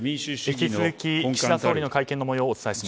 引き続き岸田総理の会見の模様をお伝えします。